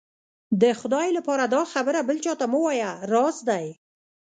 د خدای لهپاره دا خبره بل چا ته مه وايه، راز دی.